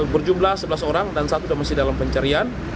berjumlah sebelas orang dan satu sudah masih dalam pencarian